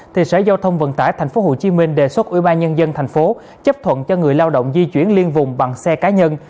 thị sở giao thông vận tải tp hcm đề xuất ủy ban nhân dân thành phố chấp thuận cho người lao động di chuyển liên vùng bằng xe cá nhân